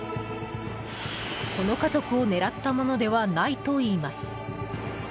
この家族を狙ったものではないといいます。